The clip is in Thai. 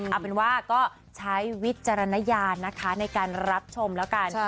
เอาเป็นว่าก็ใช้วิจารณญาณนะคะในการรับชมแล้วกัน